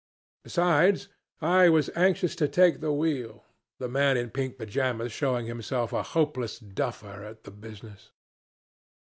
Besides, I was anxious to take the wheel, the man in pink pyjamas showing himself a hopeless duffer at the business.